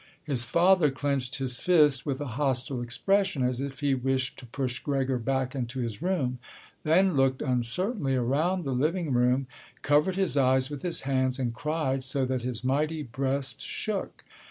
His father clenched his fist with a hostile expression, as if he wished to push Gregor back into his room, then looked uncertainly around the living room, covered his eyes with his hands, and cried so that his mighty breast shook.